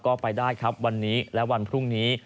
ก็ไปได้ครับวันนี้และวันพรุ่งนี้